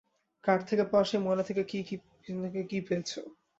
কাঠ থেকে পাওয়া সেই ময়লা থেকে কী পেয়েছ?